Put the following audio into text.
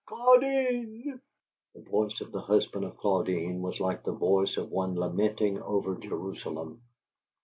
"Claudine!" The voice of the husband of Claudine was like the voice of one lamenting over Jerusalem.